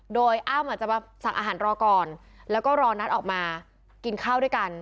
โดยอ้ำอาจจะมาสั่งอาหารรอก่อนแล้วก็รอนัดออกมากินข้าวด้วยกัน